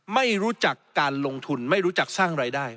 ไม่รู้จักการลงทุนไม่รู้จักสร้างรายได้